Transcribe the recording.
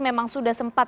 memang sudah sempat